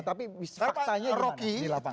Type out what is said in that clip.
tapi faktanya dimana